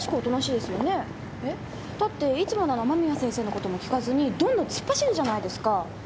えっ？だっていつもなら間宮先生のことも聞かずにドンドン突っ走るじゃないですか。